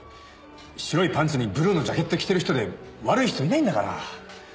白いパンツにブルーのジャケット着てる人で悪い人はいないんだから。